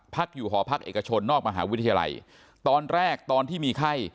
พักอยู่หอพักเอกชนนอกมหาวิทยาลัยตอนแรกตอนที่มีไข้